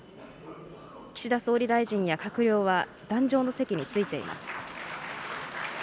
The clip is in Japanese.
岸田総理大臣や閣僚は、壇上の席についています。